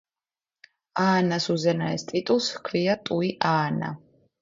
აანას უზენაეს ტიტულს ჰქვია ტუი აანა.